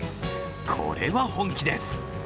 これは本気です。